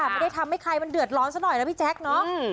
ไม่ได้ทำให้ใครมันเดือดร้อนซะหน่อยนะพี่แจ๊คเนอะ